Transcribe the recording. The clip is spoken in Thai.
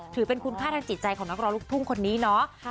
ถือเป็นคุณค่าทางจิตใจของนักร้องลูกทุ่งคนนี้เนาะ